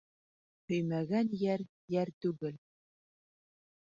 Һөймәгән йәр йәр түгел